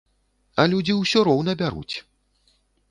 А людзі ўсё роўна бяруць!